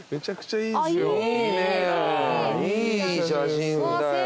いい写真だよ。